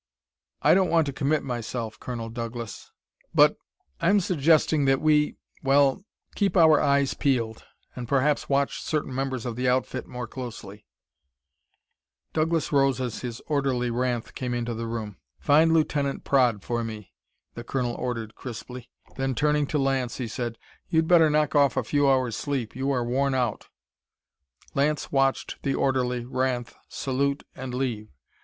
"I don't want to commit myself, Colonel Douglas, but I'm suggesting that we well keep our eyes peeled, and perhaps watch certain members of the outfit more closely." Douglas rose as his orderly, Ranth, came into the room. "Find Lieutenant Praed for me," the colonel ordered crisply. Then, turning to Lance, he said: "You'd better knock off a few hours' sleep. You are worn out." Lance watched the orderly, Ranth, salute and leave.